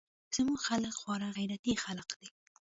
زموږ خلق خورا غيرتي خلق دي.